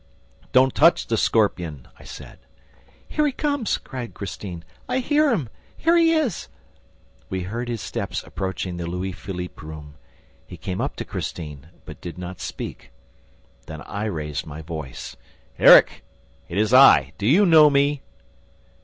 "Don't touch the scorpion!" I said. "Here he comes!" cried Christine. "I hear him! Here he is!" We heard his steps approaching the Louis Philippe room. He came up to Christine, but did not speak. Then I raised my voice: "Erik! It is I! Do you know me?"